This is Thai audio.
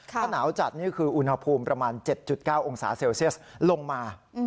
ถ้าหนาวจัดนี่คืออุณหภูมิประมาณ๗๙องศาเซลเซียสลงมา